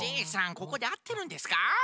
ここであってるんですか？